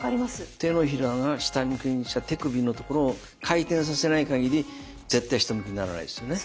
手のひらが下向きにした手首のところを回転させないかぎり絶対下向きにならないですよね？